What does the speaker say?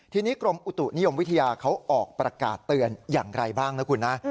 ทีนี้กรมอุตุนิยมวิทยาเขาออกประกาศเตือนอย่างไรบ้างนะคุณนะ